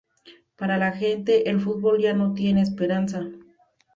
Para la gente, el fútbol ya no tiene esperanza.